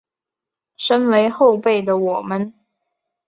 身为后辈的我们